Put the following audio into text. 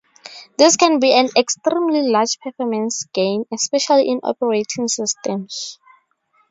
This can be an extremely large performance gain, especially in operating systems.